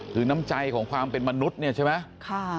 คือน้ำใจของความเป็นมนุษย์เนี่ยใช่ไหม